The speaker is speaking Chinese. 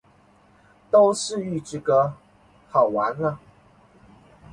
都是预制歌，好完了